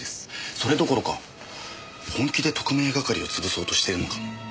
それどころか本気で特命係を潰そうとしてるのかも。